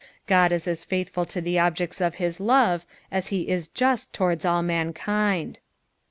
God is as faithful to the objects of his love aa be is just towards all mankind.